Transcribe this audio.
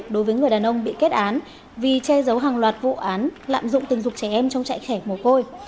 đối với người đàn ông bị kết án vì che giấu hàng loạt vụ án lạm dụng tình dục trẻ em trong chạy khẻ mồ côi